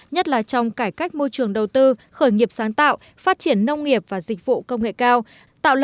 nhất là trong cải cách môi trường đầu tư khởi nghiệp sáng tạo phát triển nông nghiệp và dịch vụ công nghệ cao